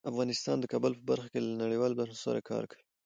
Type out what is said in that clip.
افغانستان د کابل په برخه کې له نړیوالو بنسټونو سره کار کوي.